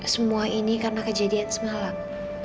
semua ini karena kejadian semalam